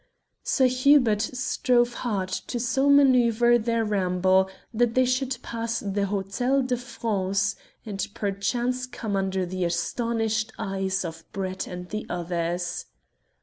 Sir Hubert strove hard to so manoeuvre their ramble that they should pass the Hotel de France, and perchance come under the astonished eyes of Brett and the others.